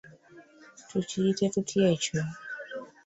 Tukiyite tutya ekyo?